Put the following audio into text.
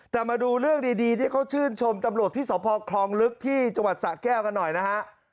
แต่มาดูเรื่องดีที่เขาชื่นชมตำรวจที่สพคลองลึกที่จังหวัดสะแก้วกันหน่อยนะฮะ